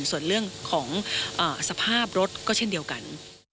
ส่วนเรื่องของสภาพรถก็เช่นเดียวกัน